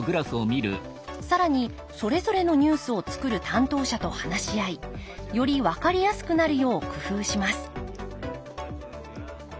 更にそれぞれのニュースを作る担当者と話し合いより分かりやすくなるよう工夫します